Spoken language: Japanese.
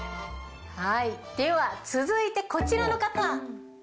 はいでは続いてこちらの方。